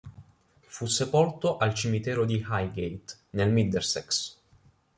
Fu sepolto al Cimitero di Highgate, nel Middlesex.